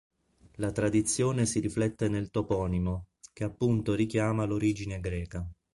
La tradizione si riflette nel toponimo, che appunto richiama l'origine greca.